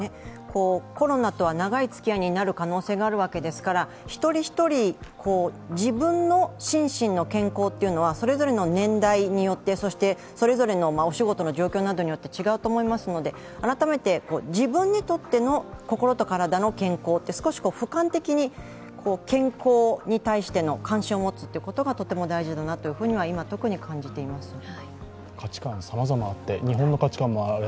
コロナとは長いつきあいになる可能性があるわけですから一人一人、自分の心身の健康というのはそれぞれの年代によってそしてそれぞれのお仕事の状況などによって違うと思いますので、改めて自分にとっての心と体の健康、少しふかん的に健康に対して関心を持つことがとても大事だなというふうには今特に感じています。